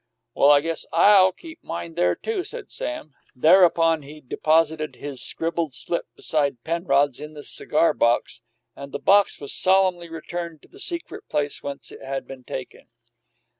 "Well, I guess I'll keep mine there, too," said Sam. Thereupon he deposited his scribbled slip beside Penrod's in the cigar box, and the box was solemnly returned to the secret place whence it had been taken.